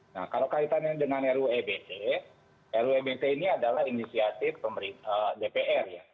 nah kalau kaitannya dengan ruu ebt ruu ebt ini adalah inisiatif dpr ya